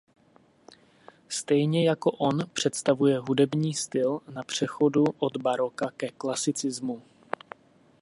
Stejně jako on představuje hudební styl na přechodu od baroka ke klasicismu.